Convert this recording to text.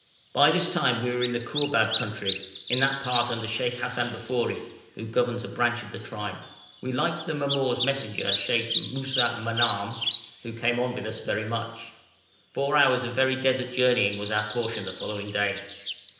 By this time we were in the Kourbab country, in that part under Sheikh Hassan Bafori, who governs a branch of the tribe. We liked the mamour's messenger, Sheikh Moussa Manahm, who came on with us, very much. Four hours of very desert journeying was our portion the following day.